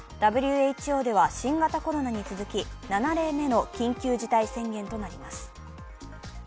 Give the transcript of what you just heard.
ＷＨＯでは新型コロナに続き、７例目の緊急事態宣言となります。